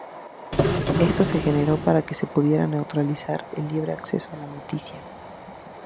Esto se generó, para que se pudiera neutralizar el libre acceso a la noticia.